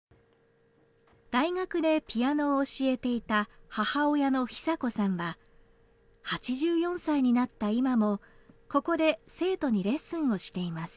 大学でピアノを教えていた母親の尚子さんは８４歳になった今もここで生徒にレッスンをしています。